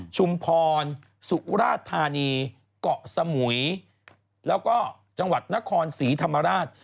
ชุมพรสุราธานีเกาะสมุยแล้วก็จังหวัดนครศรีธรรมราช